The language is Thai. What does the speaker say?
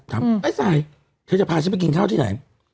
ถามไอ้ซายช่วยจะพาฉันไปกินข้าวที่ไหน